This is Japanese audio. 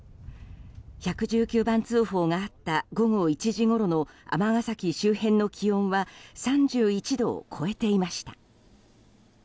１１９番通報があった午後１時ごろの尼崎周辺の気温は３１度を超えていました。